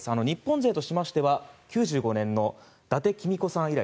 日本勢としましては９５年の伊達公子さん